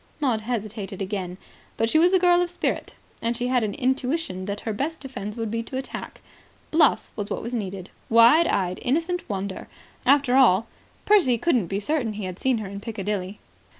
Maud hesitated again. But she was a girl of spirit. And she had an intuition that her best defence would be attack. Bluff was what was needed. Wide eyed, innocent wonder ... After all, Percy couldn't be certain he had seen her in Piccadilly.